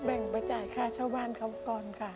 แบ่งไปจ่ายค่าเช่าบ้านเขาก่อนค่ะ